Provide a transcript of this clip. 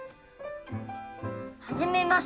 はじめましてぞ。